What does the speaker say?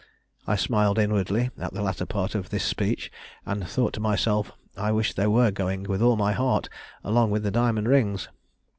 I smiled inwardly at the latter part of this speech, and thought to myself, 'I wish they were going, with all my heart, along with the diamond rings.'